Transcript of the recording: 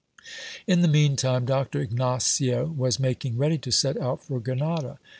In the mean time Doctor Ignacio was making ready to set out for Grenada.